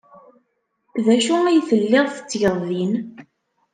D acu ay tellid tettged din?